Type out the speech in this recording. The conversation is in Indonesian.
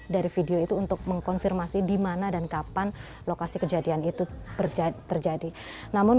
dari video itu untuk mengkonfirmasi dimana dan kapan lokasi kejadian itu terjadi namun